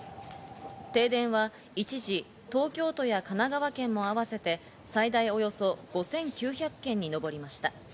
停電は一時、東京都や神奈川県もあわせて最大およそ５９００軒にのぼりました。